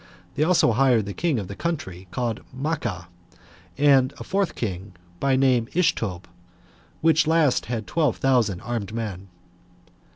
They also hired the king of the country called Maacah, and a fourth king, by name Ishtob; which last had twelve thousand armed men.